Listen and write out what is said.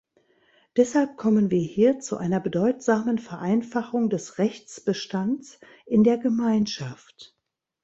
Deshalb kommen wir hier zu einer bedeutsamen Vereinfachung des Rechtsbestands in der Gemeinschaft.